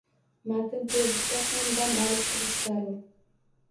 Matn terishda ham dam olib turish zarur.